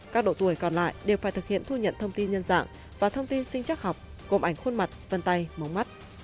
các độ tuổi còn lại đều phải thực hiện thu nhận thông tin nhân dạng và thông tin sinh chắc học gồm ảnh khuôn mặt vân tay mống mắt